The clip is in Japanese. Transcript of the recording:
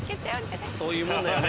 そういうもんだよね。